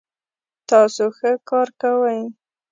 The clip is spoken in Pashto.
تاسو ښه کار کوئ